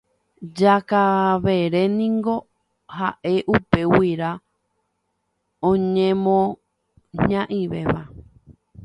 Jakavere niko ha'e upe guyra oñemoña'ivéva.